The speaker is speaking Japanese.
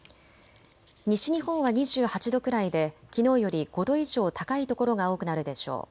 西日本は２８度くらいできのうより５度以上高い所が多くなるでしょう。